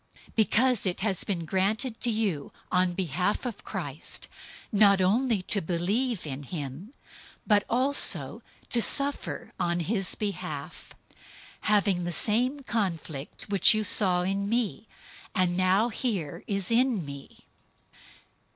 001:029 Because it has been granted to you on behalf of Christ, not only to believe in him, but also to suffer on his behalf, 001:030 having the same conflict which you saw in me, and now hear is in me.